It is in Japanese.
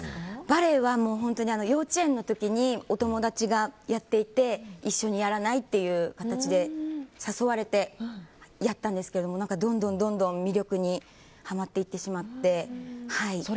バレエは幼稚園の時にお友達がやっていて一緒にやらない？っていう形で誘われてやったんですけどどんどん魅力にハマっていってしまって。